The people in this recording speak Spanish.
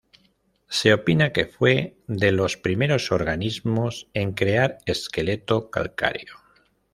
Se opina que fue de los primeros organismos en crear esqueleto calcáreo.